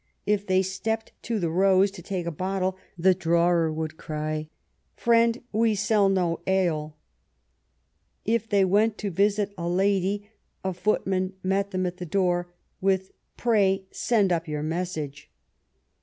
" If they stepped to the ^ Rose ^ to take a bottle, the drawer would cry, * Friend, we sell no ale.' If they went to visit a lady, a footman met them at the door, with * Pray send up your message.'